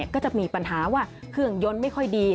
ก็จะมีปัญหาว่าเครื่องยนต์ไม่ค่อยดี